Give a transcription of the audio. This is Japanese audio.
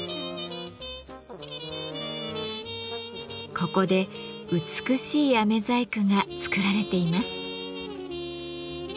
ここで美しい飴細工が作られています。